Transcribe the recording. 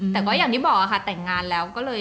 แต่อย่างที่บอกอะแปลกงานแล้ว